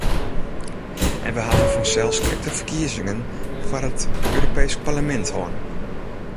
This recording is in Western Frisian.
En we hawwe fansels krekt de ferkiezingen foar it Europeesk Parlemint hân.